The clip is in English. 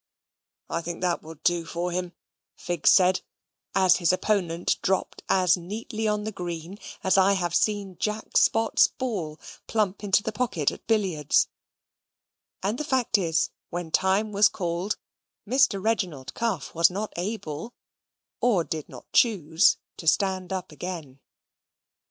"I think that will do for him," Figs said, as his opponent dropped as neatly on the green as I have seen Jack Spot's ball plump into the pocket at billiards; and the fact is, when time was called, Mr. Reginald Cuff was not able, or did not choose, to stand up again.